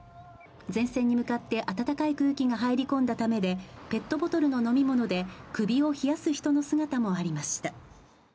前線に向かって暖かい空気が入り込んだためでペットボトルの飲み物で首を冷やす人の姿もありました。